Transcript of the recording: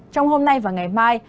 trong hôm nay và ngày mai